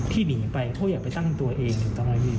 พี่บีไปเขาอยากไปตั้งตัวเองอยู่ตรงนี้